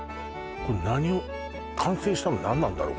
これ何を完成したの何なんだろう？